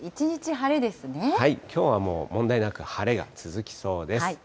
きょうはもう問題なく晴れが続きそうです。